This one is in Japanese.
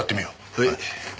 はい。